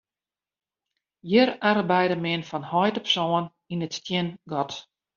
Hjir arbeide men fan heit op soan yn it stiengat.